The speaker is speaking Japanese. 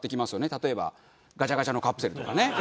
例えばガチャガチャのカプセルとかね。